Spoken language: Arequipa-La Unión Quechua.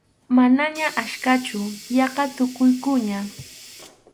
Manaña achkachu, yaqa tukukuqña.